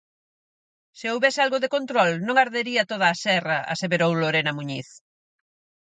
"Se houbese algo de control non ardería toda a serra", aseverou Lorena Muñiz.